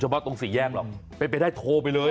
เฉพาะตรงสี่แย่งหรอกไปได้โทรไปเลย